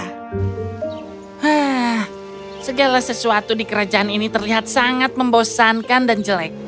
hah segala sesuatu di kerajaan ini terlihat sangat membosankan dan jelek